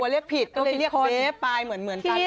กลัวเรียกผิดก็เลยเรียกเบฟปลายเหมือนกัน